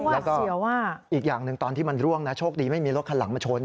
แล้วก็อีกอย่างหนึ่งตอนที่มันร่วงนะโชคดีไม่มีรถคันหลังมาชน